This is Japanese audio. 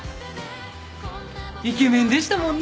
イケメンでしたもんね